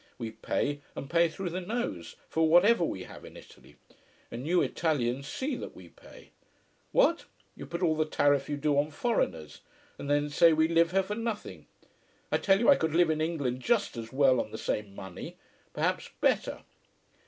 We pay, and pay through the nose, for whatever we have in Italy: and you Italians see that we pay. What! You put all the tariff you do on foreigners, and then say we live here for nothing. I tell you I could live in England just as well, on the same money perhaps better.